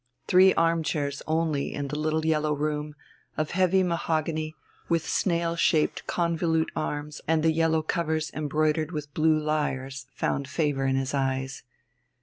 Three arm chairs only in the little yellow room, of heavy mahogany, with snail shaped convolute arms and the yellow covers embroidered with blue lyres, found favour in his eyes.